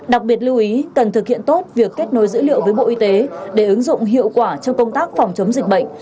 đặc biệt lưu ý cần thực hiện tốt việc kết nối dữ liệu với bộ y tế để ứng dụng hiệu quả trong công tác phòng chống dịch bệnh